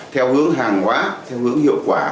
theo hướng hàng hóa theo hướng hiệu quả